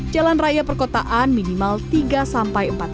jalan raya perkotaan minimal tiga empat cm